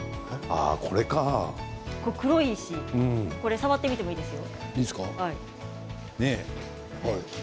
触ってみてもいいですよ。